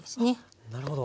なるほど。